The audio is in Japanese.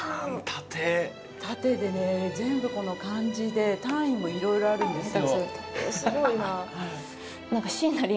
縦でね全部この漢字で単位も色々あるんですよ。